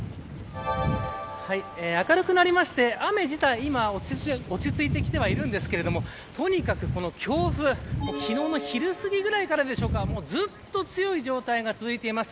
明るくなりまして雨自体、今は落ち着いてきてはいるんですがとにかく強風昨日の昼すぎぐらいからでしょうかずっと強い状態が続いています